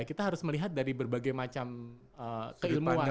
kita harus melihat dari berbagai macam keilmuan